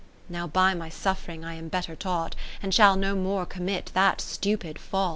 10 Now by my suffring I am better taught. And shall no more commit that stupid fault.